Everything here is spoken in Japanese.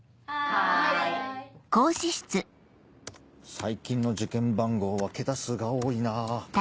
最近の受験番号は桁数が多いなぁ。